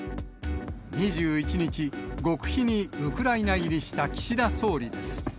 ２１日、極秘にウクライナ入りした岸田総理です。